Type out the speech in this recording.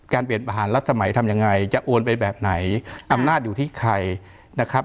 เปลี่ยนประหารรัฐสมัยทำยังไงจะโอนไปแบบไหนอำนาจอยู่ที่ใครนะครับ